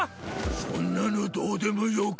そんなのどうでもよか！